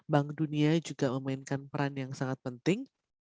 bank dunia juga memainkan peran yang sangat penting